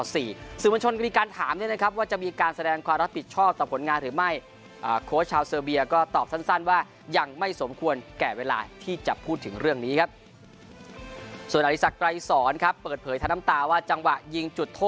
สื่อมันชนคือการถามเนี่ยนะครับว่าจะมีการแสดงความรับปิดชอบต่อผลงานหรือไม่